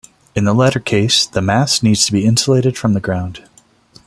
In the latter case, the mast needs to be insulated from the ground.